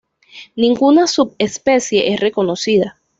Ninguna subespecie es reconocida.